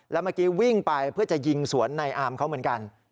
แล้วเมื่อกี้วิ่งไปเพื่อจะยิงสวนในอามเขาเหมือนกัน